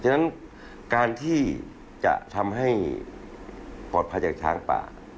ฉะนั้นการที่จะทำให้ปลอดภัยจากช้างป่า